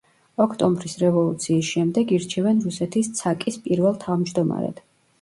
ოქტომბრის რევოლუციის შემდეგ ირჩევენ რუსეთის ცაკ-ის პირველ თავმჯდომარედ.